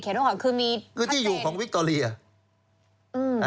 เขียนรู้หรือคือมีท่าเจนคือที่อยู่ของวิคโตรีย่ะ